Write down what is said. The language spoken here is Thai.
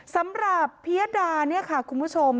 สำหรับพิยดาคุณผู้ชม